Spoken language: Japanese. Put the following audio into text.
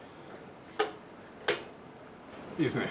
いいですね。